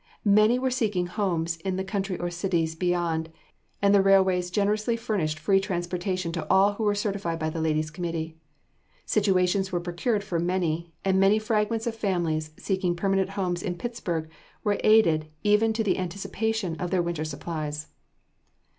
Many were seeking homes in the country or cities beyond, and the railways generously furnished free transportation to all who were certified by the ladies' committee. Situations were procured for many, and many fragments of families, seeking permanent homes in Pittsburg, were aided even to the anticipation of their winter supplies.